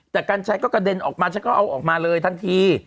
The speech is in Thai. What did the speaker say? แต่กัญชัยก็กระเด็นออกมาฉันก็เอาออกมาเลยทันที